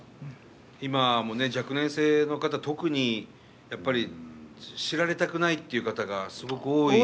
今も若年性の方特にやっぱり知られたくないっていう方がすごく多い。